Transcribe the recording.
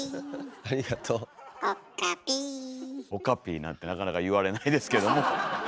岡Ｐなんてなかなか言われないですけども。